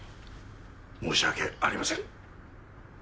申し訳ありません。